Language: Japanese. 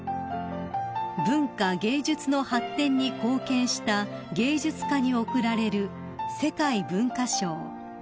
［文化・芸術の発展に貢献した芸術家に贈られる世界文化賞］